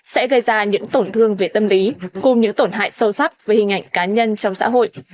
sẽ gây ra những tổn thương về tâm lý cùng những tổn hại sâu sắc về hình ảnh cá nhân trong xã hội